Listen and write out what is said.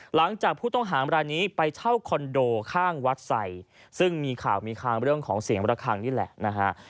หลังจากผู้ต้องหามรายนี้ไปเช่าคอนโดข้างวัดใส่ซึ่งมีข่าวมีคางเรื่องของเสียงระคังนี่แหละนะฮะ